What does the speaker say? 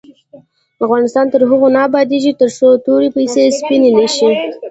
افغانستان تر هغو نه ابادیږي، ترڅو توري پیسې سپینې نشي.